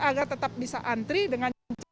agar tetap bisa antri dengan cepat